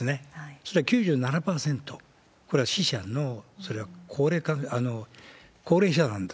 それは９７％、これは死者の、それは高齢者なんです。